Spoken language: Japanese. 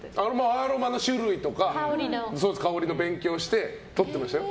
アロマの種類とか香りの勉強をして取ってましたよ。